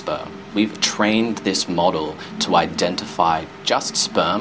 kami telah mengajarkan model ini untuk mencari sperma